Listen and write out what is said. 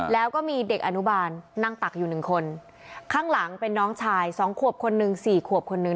แล้วก็มีเด็กอนุบาลนั่งตักอยู่หนึ่งคนข้างหลังเป็นน้องชายสองขวบคนหนึ่งสี่ขวบคนนึง